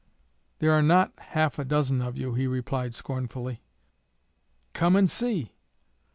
"There are not half a dozen of you," he replied scornfully. "Come and see."